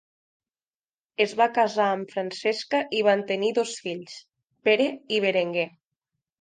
Es va casar amb Francesca i van tenir dos fills, Pere i Berenguer.